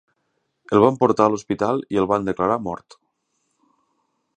El van portar a l'hospital i el van declarar mort.